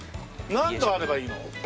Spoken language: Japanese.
何度あればいいの？